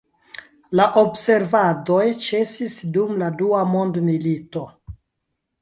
La observadoj ĉesis dum la dua mondmilito.